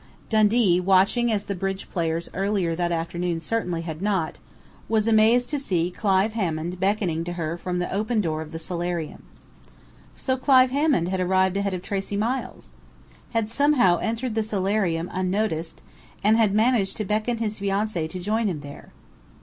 Dundee, watching as the bridge players earlier that afternoon certainly had not, was amazed to see Clive Hammond beckoning to her from the open door of the solarium. So Clive Hammond had arrived ahead of Tracey Miles! Had somehow entered the solarium unnoticed, and had managed to beckon his fiancée to join him there!